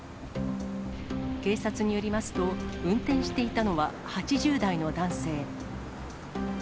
警察によりますと、運転していたのは８０代の男性。